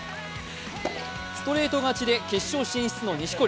ストレート勝ちで決勝進出の錦織。